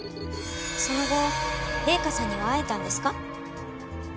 その後礼香さんには会えたんですか？